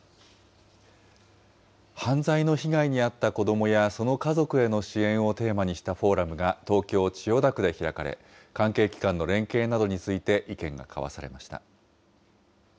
犯罪の被害に遭った子どもや、その家族への支援をテーマにしたフォーラムが東京・千代田区で開かれ、関係機関の連携などについて、意見が交わされました。